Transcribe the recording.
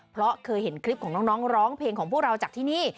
เพราะเคยเห็นคลิปของน้องร้องเพลงของพวกเราจากที่นี่